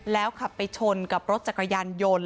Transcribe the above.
แล้วขับไปชนกับรถจักรยานยนต์